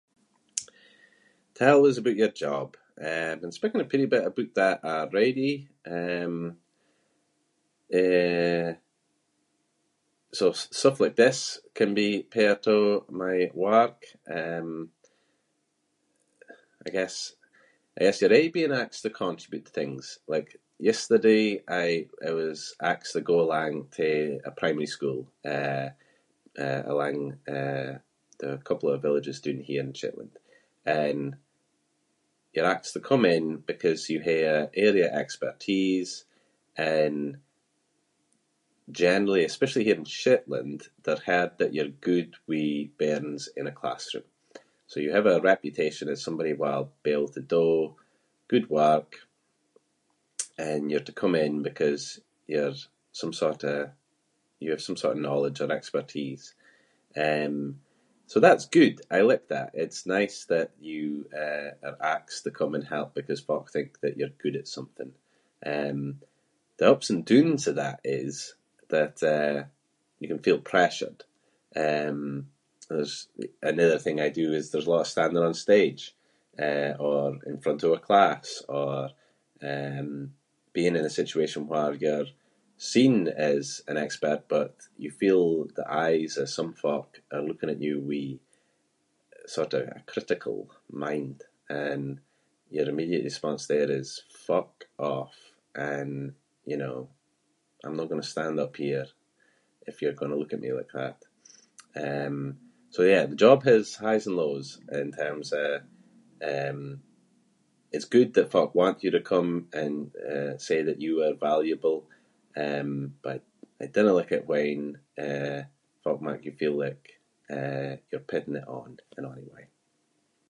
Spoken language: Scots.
Tell us aboot your job. Eh, I’ve been speaking a peerie bit aboot that already. Um, eh, so stuff like this can be part of my work. Um, I guess, [inc] aie being asked to contribute things. Like yesterday, I- I was asked to go alang to a primary school, eh, a- alang, eh, the couple of villages doon here in Shetland. And you’re asked to come in because you hae an area of expertise and generally, especially here in Shetland, they’re heard that you’re good with bairns in a classroom. So, you have a reputation as somebody who’ll be able to do good work and you’re to come in because you’re some sort of- you have some sort of knowledge or expertise. Um, so that’s good. I like that. It’s nice that you, eh, are asked to come and help because folk think that you’re good at something. Um, the ups and doons of that is that, eh, you can feel pressured. Um, there’s another thing I do is there’s a lot of standing on stage, eh, or in front of a class or, um, being in a situation where you’re seen as an expert but you feel the eyes of some folk are looking at you with sort of a critical mind and your immediate response there is “fuck off” and, you know, “I’m no gonna stand up here if you’re gonna look at me like that”. Um, so yeah, the job has highs and lows in terms of, um- it’s good that folk want you to come and, eh, say that you are valuable, um, but I dinna like it when, eh, folk make you feel like, eh, you’re putting it on in ony way.